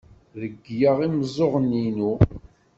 Regleɣ imeẓẓuɣen-inu.